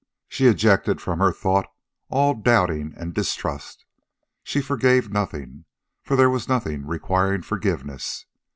She ejected from her thought all doubting and distrust. She forgave nothing, for there was nothing requiring forgiveness.